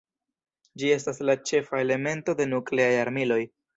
Ĝi estas la ĉefa elemento de nukleaj armiloj.